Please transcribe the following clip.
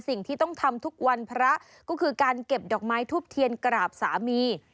สิ่งที่ต้องทำทุกวันพระก็คือการเก็บดอกไม้ทูบเทียนกราบสามี